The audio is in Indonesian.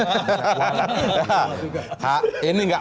maka dia mulai gundah gulana